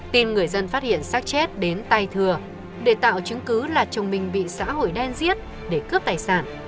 tin người dân phát hiện xác chết đến tay thưa để tạo chứng cứ là chồng mình bị xã hội đen giết để cướp tài sản